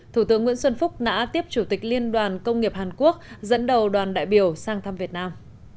thủ tướng nguyễn xuân phúc đã tiếp chủ tịch liên đoàn công nghiệp hàn quốc dẫn đầu đoàn đại biểu sang thăm việt nam